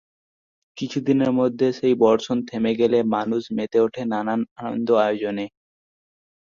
কিছুদিনের মধ্যে সেই বর্ষণ থেমে গেলে মানুষ মেতে ওঠে নানান আনন্দ-আয়োজনে।